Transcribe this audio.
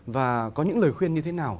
và có những lời khuyên như thế nào